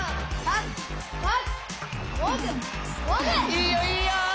いいよいいよ！